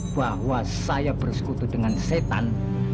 bahwa saya bersekutu dengan setan